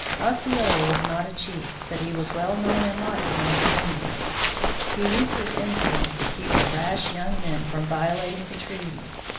Osceola was not a chief, but he was well known and liked among the Indians. He used his influence to keep the rash young men from violating the treaty.